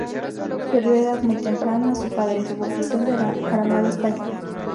Perdió, a edad muy temprana, a su padre, suboficial de la Armada Española.